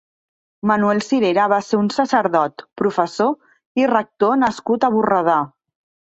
Manuel Cirera va ser un sacerdot, professor i rector nascut a Borredà.